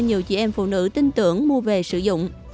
nhiều chị em phụ nữ tin tưởng mua về sử dụng